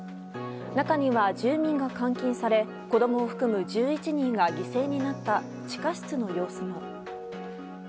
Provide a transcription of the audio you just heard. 中には住民が監禁され子供を含む１１人が犠牲になった地下室の様子も。